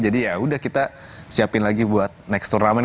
jadi ya udah kita siapin lagi buat next turnamen